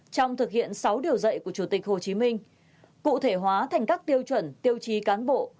trong thực hiện sáu điều dạy của chủ tịch hồ chí minh cụ thể hóa thành các tiêu chuẩn tiêu chí cán bộ